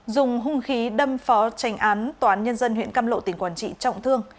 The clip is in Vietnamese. dùng hung khí đâm phó tranh án toán nhân dân huyện căm lộ tỉnh quản trị trọng thương